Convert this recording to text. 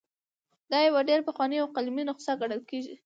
دا یوه ډېره پخوانۍ او قلمي نسخه ګڼل کیږي.